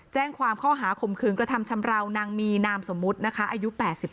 แจ้งความข้อหาข่มขืนกระทำชำราวนางมีนามสมมุตินะคะอายุ๘๒